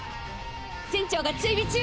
船長が追尾中。